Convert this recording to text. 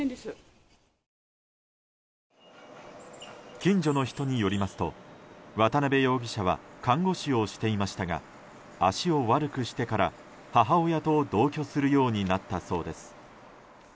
近所の人によりますと渡辺容疑者は看護師をしていましたが足を悪くしてから、母親と同居するようになったそうです。